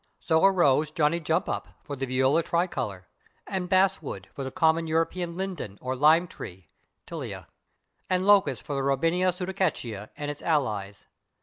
So arose /Johnny jump up/ for the /Viola tricolor/, and /basswood/ for the common European /linden/ or /lime tree/ (/Tilia/), and /locust/ for the /Robinia pseudacacia/ and its allies.